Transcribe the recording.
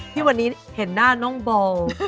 ที่วันนี้เห็นหน้าน้องบอล